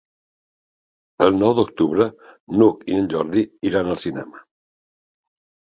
El nou d'octubre n'Hug i en Jordi iran al cinema.